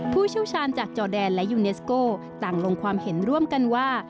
ผู้เชี่ยวชาญจากจอแดนและยูเนสโก้ต่างลงความเห็นร่วมกันว่า